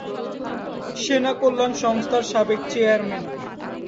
সেনা কল্যাণ সংস্থার সাবেক চেয়ারম্যান।